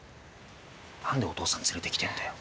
なんでお父さん連れてきてるんだよ。